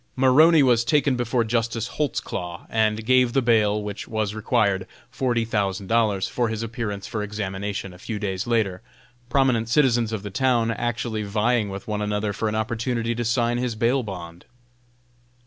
Maroney was taken before Justice Holtzclaw, and gave the bail which was required forty thousand dollars for his appearance for examination a few days later; prominent citizens of the town actually vieing with one another for an opportunity to sign his bail bond.